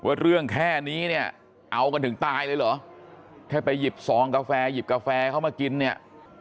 ว่าเรื่องแค่นี้เนี่ยเอากันถึงตายเลยเหรอแค่ไปหยิบซองกาแฟหยิบกาแฟเข้ามากินเนี่ย